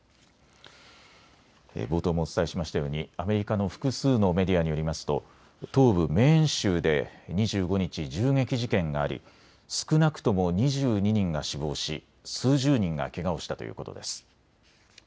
冒頭もお伝えしましたようにアメリカの複数のメディアによりますと東部メーン州で２５日、銃撃事件があり少なくとも２２人が死亡し数十人がけがをしたということです。